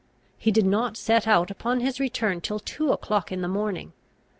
He did not set out upon his return till two o'clock in the morning.